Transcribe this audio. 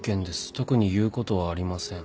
特に言うことはありません。